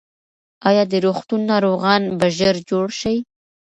ایا د روغتون ناروغان به ژر جوړ شي؟